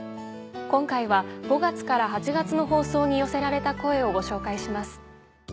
今回は５月から８月の放送に寄せられた声をご紹介します。